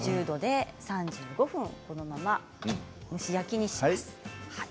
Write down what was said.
１６０度で３５分、蒸し焼きにします。